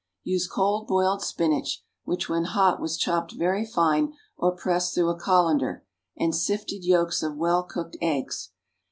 = Use cold boiled spinach, which when hot was chopped very fine or pressed through a colander, and sifted yolks of well cooked eggs.